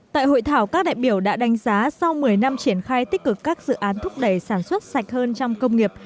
tại hội thảo các đại biểu đã đánh giá sau một mươi năm triển khai tích cực các dự án thúc đẩy sản xuất sạch hơn trong công nghiệp